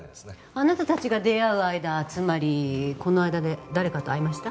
あなたたちが出会う間つまりこの間で誰かと会いました？